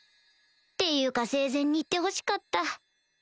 っていうか生前に言ってほしかった